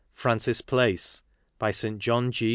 Francis Place. .By St. John G.